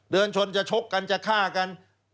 เดินชนจะชกกันจะฆ่ากัน